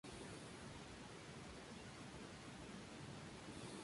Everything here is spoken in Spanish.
Nacido en Londres, Inglaterra, estudió en la Emanuel School.